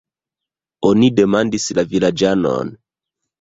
Oni demandis la vilaĝanon.